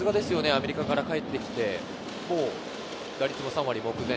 アメリカから帰ってきて、もう打率は３割目前。